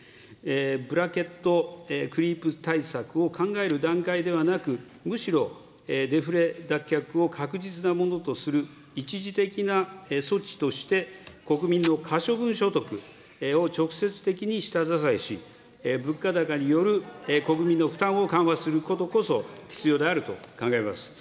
ブラケットクリープ対策を考える段階ではなく、むしろ、デフレ脱却を確実なものとする一時的な措置として国民の可処分所得を直接的に下支えし、物価高による国民の負担を緩和することこそ必要であると考えます。